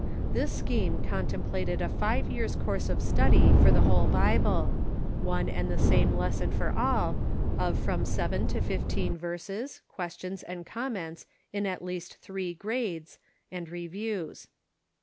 This scheme contemplated a five years' course of study for the whole Bible — one and the same lesson for all, of from seven to fifteen verses, questions and comments in at least three grades, and reviews."